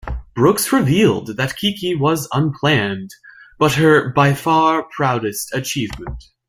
Brooks revealed that Kiki was unplanned, but her "by far proudest achievement".